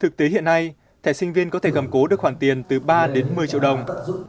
thực tế hiện nay thẻ sinh viên có thể gầm cố được khoản tiền từ ba đến một mươi triệu đồng